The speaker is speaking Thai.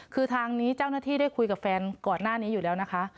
คือทางนี้เจ้าหน้าที่ได้คุยกับแฟนก่อนหน้านี้อยู่แล้วนะคะ